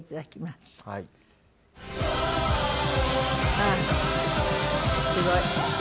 あらすごい。